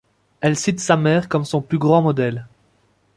Elle cite sa mère comme son plus grand modèle.